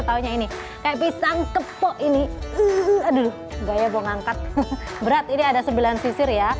misalnya ini kayak pisang kepo ini aduh gaya bongangkat berat ini ada sembilan sisir ya